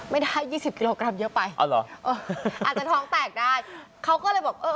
ยี่สิบกิโลกรัมเยอะไปอ๋อเหรอเอออาจจะท้องแตกได้เขาก็เลยบอกเออ